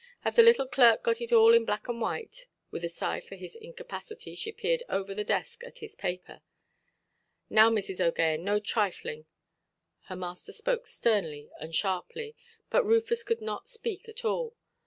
"Have the little clerk got it all in black and white"? With a sigh for his incapacity, she peered over the desk at his paper. "Now, Mrs. OʼGaghan, no trifling"! Her master spoke sternly and sharply. But Rufus could not speak at all.